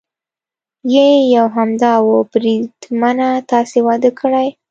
یې یو همدا و، بریدمنه تاسې واده کړی؟